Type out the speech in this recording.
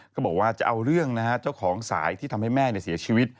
ก็บอกว่าจะเอาเรื่องนะฮะเจ้าของสายที่ทำให้แม่เสียชีวิต